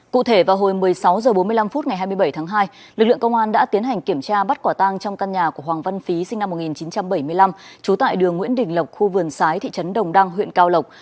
cụ thể vào hồi một mươi sáu h bốn mươi năm phút ngày hai mươi bảy tháng hai lực lượng công an đã tiến hành kiểm tra bắt quả tang trong căn nhà của hoàng văn phí sinh năm một nghìn chín trăm bảy mươi năm trú tại đường nguyễn đình lộc khu vườn sái thị trấn đồng đăng huyện cao lộc